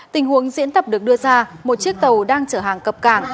tình huống diễn tập được đưa ra một chiếc tàu đang chở hàng cập cảng